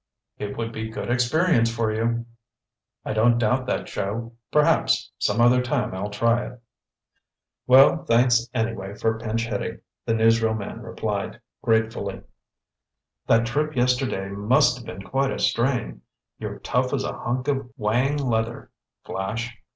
"It would be good experience for you." "I don't doubt that, Joe. Perhaps, some other time I'll try it." "Well, thanks anyway for pinch hitting," the newsreel man replied gratefully. "That trip yesterday must have been quite a strain. You're tough as a hunk of whang leather, Flash."